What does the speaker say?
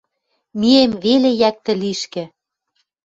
Миэм веле йӓктӹ лишкӹ —